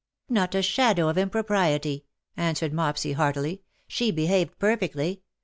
" Not a shadow of impropriety/' answered Mopsy heartily. ^' She behaved perfectly.